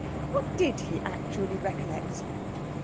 What did he actually recollect?